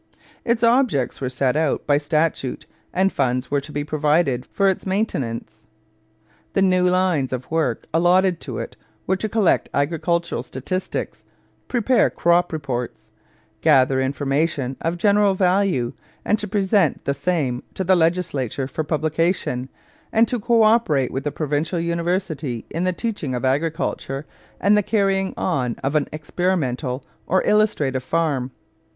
Its objects were set out by statute and funds were to be provided for its maintenance. The new lines of work allotted to it were to collect agricultural statistics, prepare crop reports, gather information of general value and to present the same to the legislature for publication, and to co operate with the provincial university in the teaching of agriculture and the carrying on of an experimental or illustrative farm.